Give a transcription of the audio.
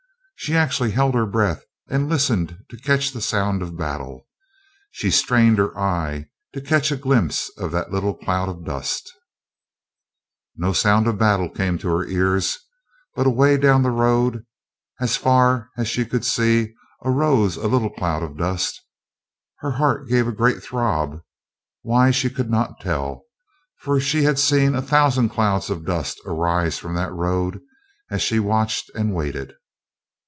She actually held her breath and listened to catch the sound of battle; she strained her eyes to catch a glimpse of that little cloud of dust. [Illustration: SHE HELD HER BREATH AND LISTENED TO CATCH THE SOUND OF BATTLE] No sound of battle came to her ears, but away down the road, as far as she could see, arose a little cloud of dust. Her heart gave a great throb; why she could not tell, for she had seen a thousand clouds of dust arise from that road, as she watched and waited.